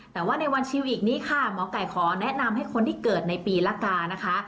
แต่ว่าในวันชิวอีกนี้ค่ะหมอไก่ขอแนะนำให้คนที่เกิดในปีละกานะคะ